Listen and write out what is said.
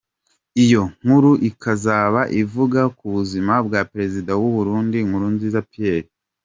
Iyo nkuru ikazaba ivuga ku buzima bwa Perezida w’u Burundi Nkurunziza Pierre.